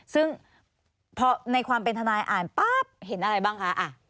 ซึ่งพอในความเป็นทนายอ่านปั๊บเห็นอะไรบ้างคะ